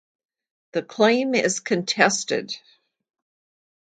The claim is contested.